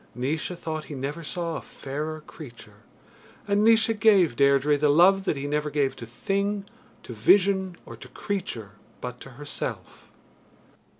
Naois thought he never saw a fairer creature, and Naois gave Deirdre the love that he never gave to thing, to vision, or to creature but to herself.